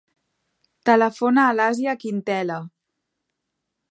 Telefona a l'Asia Quintela.